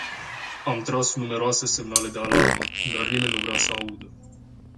Am tras numeroase semnale de alarmă, dar nimeni nu vrea să audă.